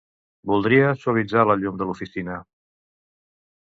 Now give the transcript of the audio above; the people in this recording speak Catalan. Voldria suavitzar la llum de l'oficina.